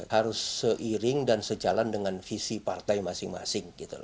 harus seiring dan sejalan dengan visi partai masing masing